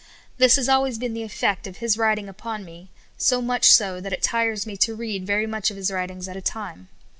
This has always been the effect of His writing upon me, so much so that it tires me to read very much of his writings at a time.